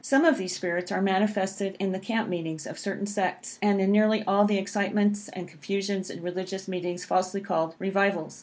Some of these spirits are manifested in the camp meetings of certain sects, and in nearly all the excitements and confusions in religious meetings falsely called "revivals."